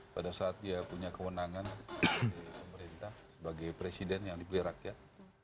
pada saat dia punya kewenangan di pemerintah sebagai presiden yang dipilih rakyat